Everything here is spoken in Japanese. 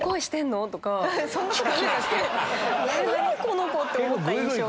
何⁉この子！って思った。